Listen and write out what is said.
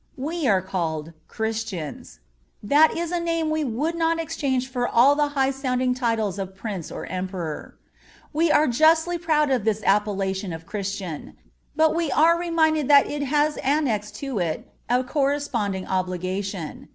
We are called Christians. That is a name we would not exchange for all the high sounding titles of Prince or Emperor. We are justly proud of this appellation of Christian; but we are reminded that it has annexed to it a corresponding obligation.